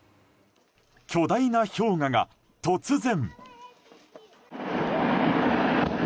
巨大な氷河が突然。